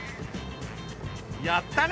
やったね。